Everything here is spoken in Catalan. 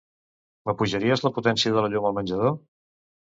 M'apujaries la potència de la llum al menjador?